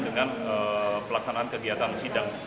dengan pelaksanaan kegiatan sidang